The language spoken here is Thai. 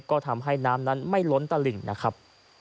ก็ทำให้น้ำนั้นไม่ล้นตลิ่งนะครับ